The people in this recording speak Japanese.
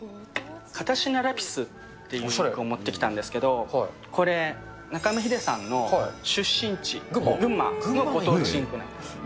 片品ラピスっていうのを持ってきたんですけれども、これ、中山秀征さんの出身地、群馬のご当地インクなんです。